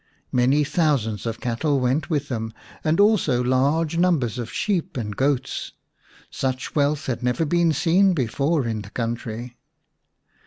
Many thousands of cattle went with them, and also large numbers of sheep and goats ; such wealth had never been seen before in the country.